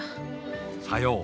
さよう。